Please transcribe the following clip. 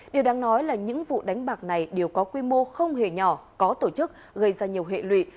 điều đáng nói là những vụ đánh bạc này đều có quy mô không hề nhỏ có tổ chức gây ra nhiều hệ lụy